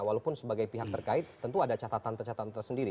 walaupun sebagai pihak terkait tentu ada catatan catatan tersendiri